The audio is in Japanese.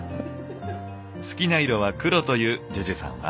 好きな色は黒というＪＵＪＵさんは？